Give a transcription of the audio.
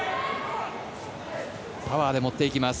パワーで持っていきます。